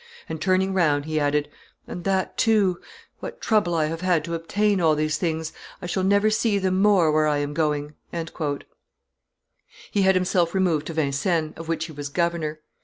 And, turning round, he added, 'And that too! What trouble I have had to obtain all these things! I shall never see them more where I am going.'" He had himself removed to Vincennes, of which he was governor.